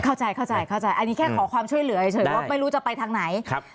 เข้าใจเข้าใจเข้าใจเข้าใจอันนี้แค่ขอความช่วยเหลือเฉยเพราะไม่รู้จะไปทางไหนครับ